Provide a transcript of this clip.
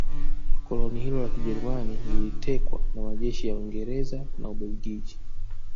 koloni hilo la Kijerumani lilitekwa na majeshi ya Uingereza na Ubelgiji